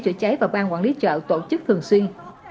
chữa cháy và ban quản lý chợ tổ chức thường xuyên